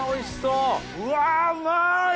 うわうまい！